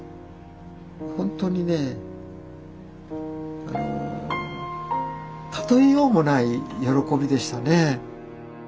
本当にね例えようもない喜びでしたね。